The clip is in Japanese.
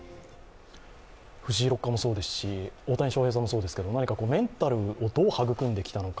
藤井六冠もそうですし大谷翔平さんもそうですけどメンタルをどう育んできたのか